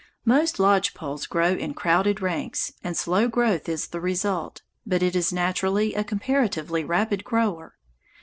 Most lodge poles grow in crowded ranks, and slow growth is the result, but it is naturally a comparatively rapid grower.